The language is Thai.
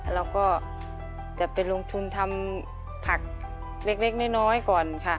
เราก็จะไปลงทุนทำผักเล็กน้อยก่อนค่ะ